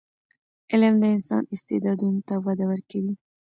علم د انسان استعدادونو ته وده ورکوي.